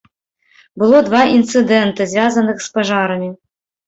Было два інцыдэнты, звязаных з пажарамі.